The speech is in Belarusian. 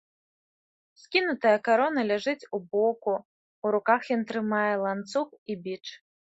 Скінутая карона ляжыць у боку, у руках ён трымае ланцуг і біч.